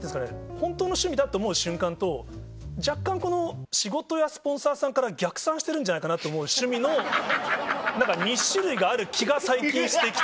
本当の趣味だって思う瞬間と若干仕事やスポンサーさんから逆算してるんじゃないかなと思う趣味の何か２種類がある気が最近して来て。